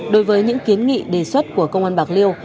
đối với những kiến nghị đề xuất của công an bạc liêu